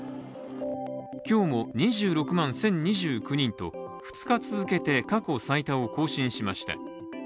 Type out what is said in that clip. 今日も２６万１０２９人と２日続けて過去最多を更新しました。